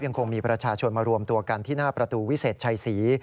คงมีประชาชนมารวมตัวกันที่หน้าประตูวิเศษชัยศรี